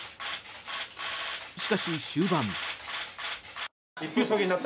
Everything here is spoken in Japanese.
しかし、終盤。